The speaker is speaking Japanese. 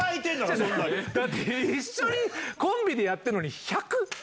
だって一緒にコンビでやってるのに、１００？